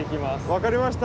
分かりました。